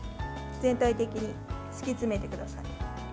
全体的に敷き詰めてください。